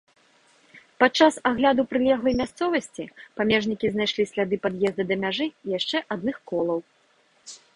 Падчас агляду прылеглай мясцовасці памежнікі знайшлі сляды пад'езда да мяжы яшчэ адных колаў.